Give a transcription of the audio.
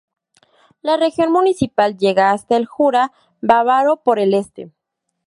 La región municipal llega hasta el Jura Bávaro, por el este.